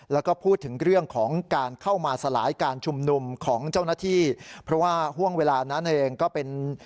แล้วก็พูดถึงเรื่องของการเข้ามาสลายการชุมนุมของเจ้าหน้าที่เพราะว่าห่วงเวลานั้นเองก็เป็น